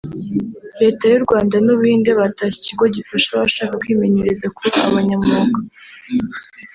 Leta y’u Rwanda n’u Buhinde batashye ikigo gifasha abashaka kwimenyereza kuba abanyamwuga